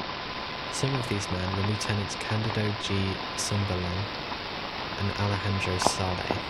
Some of these men were Lieutenants Candido G. Sumbalan and Alejandro Sale.